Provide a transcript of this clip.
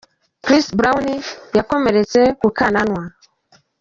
Chris Brown nawe yakomeretse ku kananwa.